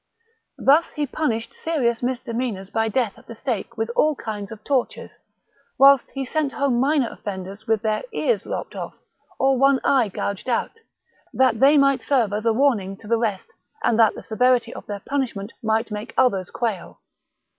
Thus he punished serious mis demeanours by death at the stake with all kinds of tortures, while he sent home minor offenders with their ears lopped off or ope eye gouged out, that they might serve as a warning to the rest and that the severity of their punishment might make others quail.